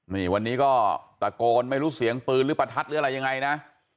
นี่วันนี้ก็ตะโกนไม่รู้เสียงปืนหรือประทัดหรืออะไรยังไงนะ